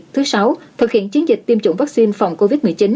thứ sáu thực hiện chiến dịch tiêm chủng vaccine phòng covid một mươi chín